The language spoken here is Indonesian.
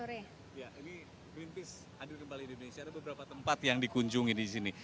ini greenpeace andi kembali indonesia ada beberapa tempat yang dikunjungi di sini